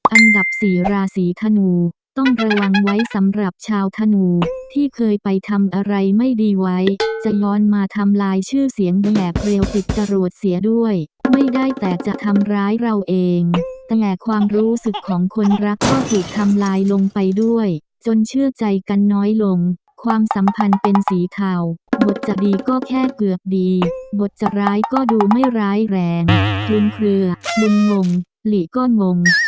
อันดับสี่ราศีธนูต้องระวังไว้สำหรับชาวธนูที่เคยไปทำอะไรไม่ดีไว้จะย้อนมาทำลายชื่อเสียงแบบเร็วติดจรวดเสียด้วยไม่ได้แต่จะทำร้ายเราเองแต่ความรู้สึกของคนรักก็ถูกทำลายลงไปด้วยจนเชื่อใจกันน้อยลงความสัมพันธ์เป็นสีเทาบทจะดีก็แค่เกือบดีบทจะร้ายก็ดูไม่ร้ายแรงคลุมเคลือมึนงงหลีก็งง